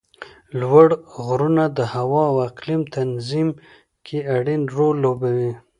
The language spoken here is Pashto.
لوړ غرونه د هوا او اقلیم تنظیم کې اړین رول لوبوي